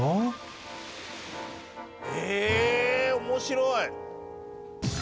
面白い！